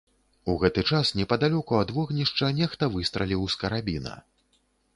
У гэты час непадалёку ад вогнішча нехта выстраліў з карабіна.